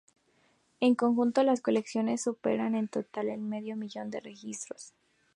En conjunto, las colecciones superan en total el medio millón de registros.